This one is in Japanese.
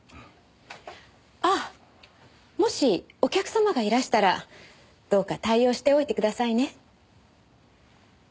あっもしお客様がいらしたらどうか対応しておいてくださいね。